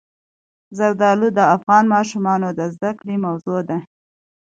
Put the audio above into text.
زردالو د افغان ماشومانو د زده کړې موضوع ده.